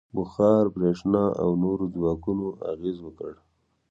• بخار، برېښنا او نورو ځواکونو اغېز وکړ.